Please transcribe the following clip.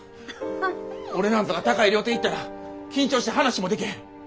俺なんぞが高い料亭行ったら緊張して話もできへん。